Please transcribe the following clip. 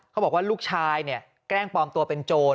เขาบอกว่าลูกชายเนี่ยแกล้งปลอมตัวเป็นโจร